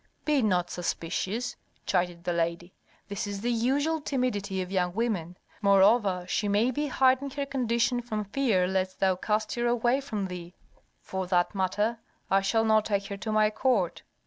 "Be not suspicious," chided the lady. "This is the usual timidity of young women. Moreover, she may be hiding her condition from fear lest thou cast her away from thee." "For that matter, I shall not take her to my court!"